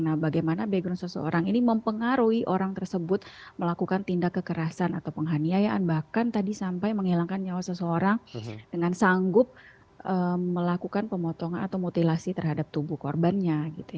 nah bagaimana background seseorang ini mempengaruhi orang tersebut melakukan tindak kekerasan atau penghaniayaan bahkan tadi sampai menghilangkan nyawa seseorang dengan sanggup melakukan pemotongan atau mutilasi terhadap tubuh korbannya